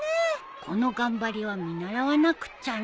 この頑張りは見習わなくっちゃね。